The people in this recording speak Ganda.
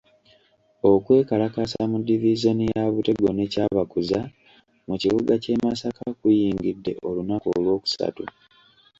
Okwekalakaasa mu divisoni ya Butego ne Kyabakuza mu kibuga ky'e Masaka kuyingidde olunaku Olwokusatu.